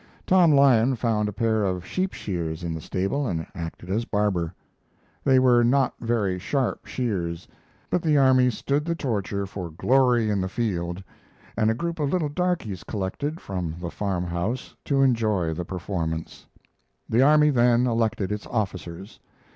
Tom Lyon found a pair of sheep shears in the stable and acted as barber. They were not very sharp shears, but the army stood the torture for glory in the field, and a group of little darkies collected from the farm house to enjoy the performance. The army then elected its officers.